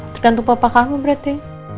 tergantung papa kamu berarti